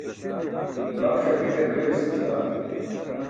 Lap ṣapikar be bismillah.